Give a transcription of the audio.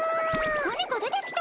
何か出てきた！